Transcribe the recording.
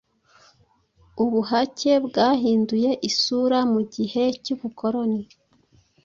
Ubuhake bwahinduye isura mu gihe cy'ubukoloni.